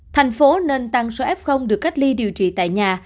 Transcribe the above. thành phố nên tăng số f được cách ly điều trị tại nhà